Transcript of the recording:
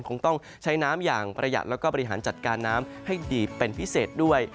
คงต้องใช้น้ำอย่างประหยัดแล้วก็บริหารจัดการน้ำให้ดีเป็นพิเศษด้วย